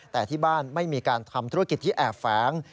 แต่ที่บ้านไม่มีการทำธุรกิจที่แอบแฝง